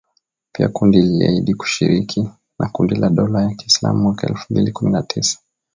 Pia kundi liliahidi ushirika na Kundi la dola ya Kiislamu mwaka elfu mbili kumi na tisa